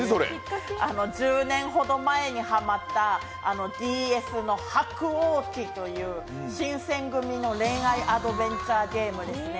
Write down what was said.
１０年ほど前にハマったＤＳの「薄桜鬼」という新選組の恋愛アドベンチャーゲームですね。